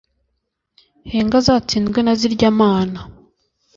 Henga azatsindwe na zirya mana